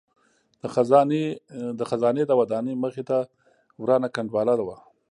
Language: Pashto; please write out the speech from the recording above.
د خزانې د ودانۍ مخې ته ورانه کنډواله وه.